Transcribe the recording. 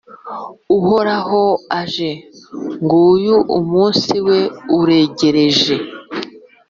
Uhoraho aje, nguyu umunsi we uregereje!